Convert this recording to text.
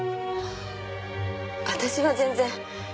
私は全然。